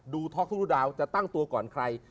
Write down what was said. ดูท็อคทุกธุ่นดาวจะตั้งตัวก่อนใคร